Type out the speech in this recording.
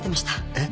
えっ！